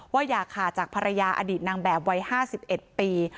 อย่าขาดจากภรรยาอดีตนางแบบวัย๕๑ปี